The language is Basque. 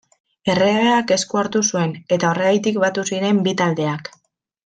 Erregeak esku hartu zuen, eta horregatik batu ziren bi taldeak.